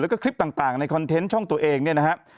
แล้วก็คลิปต่างในคอนเทนต์ช่องตัวเองเนี่ยนะครับ